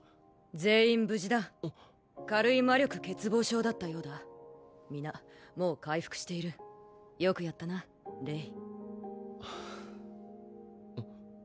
全員無事だ軽い魔力欠乏症だったようだ皆もう回復しているよくやったなレイ